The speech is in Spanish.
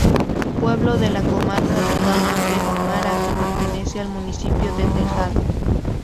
Pueblo de la Comarca de Campo de Gomara que pertenece al municipio de Tejado.